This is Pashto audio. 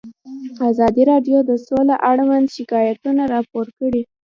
ازادي راډیو د سوله اړوند شکایتونه راپور کړي.